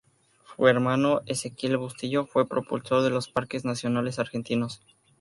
Su hermano Exequiel Bustillo fue propulsor de los Parques Nacionales argentinos.